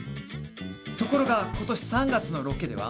ところがことし３月のロケでは。